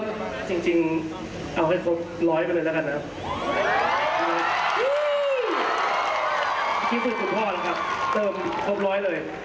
ที่สุดสุดทอดนะครับเติมครบร้อยเลย